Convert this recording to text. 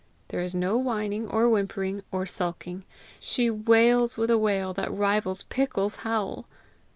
There is no whining or whimpering or sulking; she wails with a wail that rivals Pickles' howl.